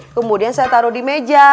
kemudian saya taruh di meja